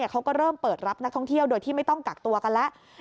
เขาก็เริ่มเปิดรับนักท่องเที่ยวโดยที่ไม่ต้องกักตัวกันแล้ว